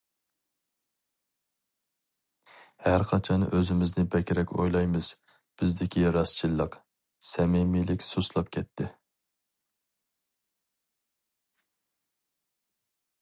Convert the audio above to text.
ھەرقاچان ئۆزىمىزنى بەكرەك ئويلايمىز، بىزدىكى راستچىللىق، سەمىمىيلىك سۇسلاپ كەتتى.